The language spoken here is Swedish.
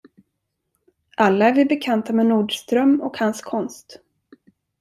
Alla är vi bekanta med Nordström och hans konst.